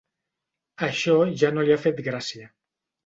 Això ja no li ha fet gràcia.